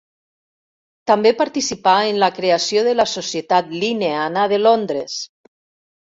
També participà en la creació de la Societat Linneana de Londres.